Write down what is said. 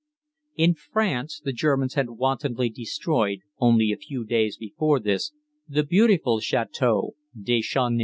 In France the Germans had wantonly destroyed, only a few days before this, the beautiful Château de Chauny.